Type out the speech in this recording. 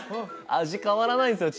味変わらないんすよ